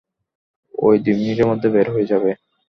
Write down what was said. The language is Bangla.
ও দুই মিনিটের মধ্যে বের হয়ে যাবে।